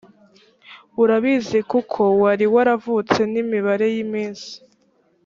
urabizi kuko wari waravutse n imibare y iminsi